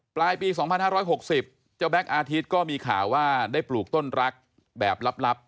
ปลายปี๒๕๖๐เจ้าแบ็คอาทิตย์ก็มีข่าวว่าได้ปลูกต้นรักแบบลับ